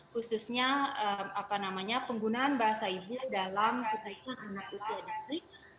khususnya apa namanya penggunaan bahasa ibu dalam pendidikan anak usia dekat